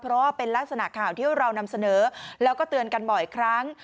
เพราะว่าเป็นลักษณะข่าวที่เรานำเสนอแล้วก็เตือนกันบ่อยครั้ง